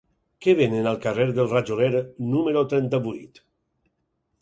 Què venen al carrer del Rajoler número trenta-vuit?